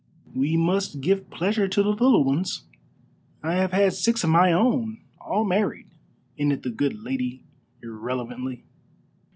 We must give pleasure to the little ones. I have had six of my own, all married," ended the good lady irrelevantly.